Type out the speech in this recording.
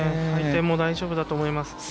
回転も大丈夫だと思います。